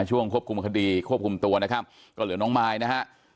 ช่วงควบคุมคดีควบคุมตัวนะครับก็เหลือน้องมายนะฮะ